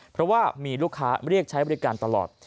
เพราะว่ามีลูกค้าเรียกใช้บริการตลอด